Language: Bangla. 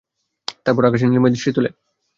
তারপর আকাশের নীলিমায় দৃষ্টি তুলে।